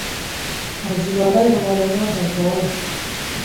حاجي لالی به معلومات ورکول.